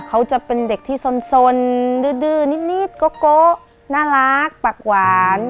เขาจะเป็นเด็กที่สนดื้อนิดโกน่ารักปากหวาน